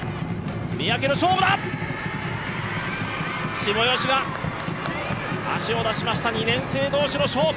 下吉が足を出しました２年生同士の勝負。